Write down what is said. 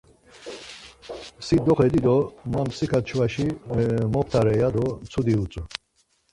Si doxedi do ma mtsika çkvaşi moptare ya do mtsudi utzu.